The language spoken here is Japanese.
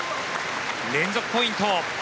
連続ポイント。